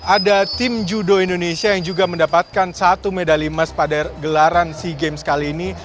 ada tim judo indonesia yang juga mendapatkan satu medali emas pada gelaran sea games kali ini